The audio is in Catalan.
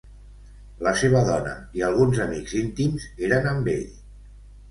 La seva dona i alguns amics íntims eren amb ell.